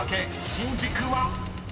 新宿は⁉］